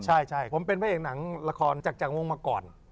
ใช่ผมเป็นพระเอกหนังละครจากวงมาก่อน